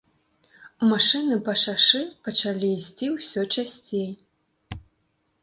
Машыны па шашы пачалі ісці ўсё часцей.